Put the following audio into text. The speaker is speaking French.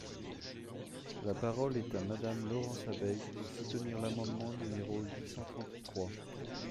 La parole est à Madame Laurence Abeille, pour soutenir l’amendement numéro huit cent trente-trois.